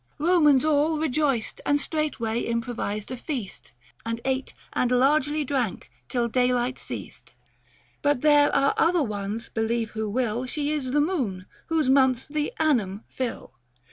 Romans all Rejoiced and straightway improvised a feast, And ate and largely drank till daylight ceased. 705 92 THE FASTI. Book III. But there are other ones believe who will She is the moon, whose months the " annum " fill.